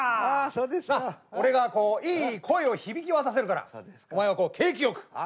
あそうですな。俺がこういい声を響き渡らせるからお前はこう景気よく。